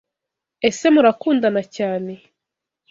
Ese Murakundana cyane?